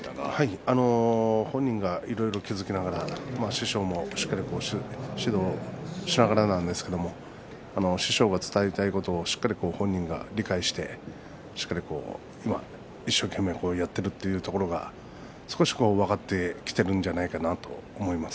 本人がいろいろ気付きながら師匠もしっかりと指導をしながらなんですが師匠が伝えたいことをしっかりと本人が理解してしっかりと一生懸命やっているというところが少し分かってきているのではないかというふうに思います。